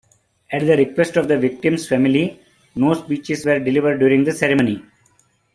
At the request of the victims' families, no speeches were delivered during the ceremony.